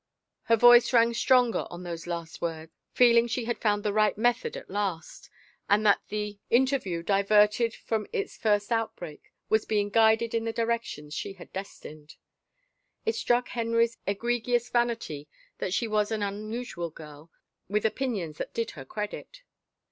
Her voice rang stronger on those last words, feeling she had found the right method at last, and that the inter 73 THE FAVOR OF KINGS view, diverted from its first outbreak, was being guided in the directions she had destined. It struck Henry's egregious vanity that she was an un usual girl, with opinions that did her credit.